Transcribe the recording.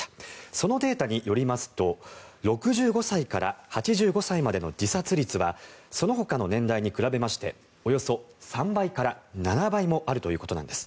そのデータによりますと６５歳から８５歳までの自殺率はそのほかの年代に比べましておよそ３倍から７倍もあるということなんです。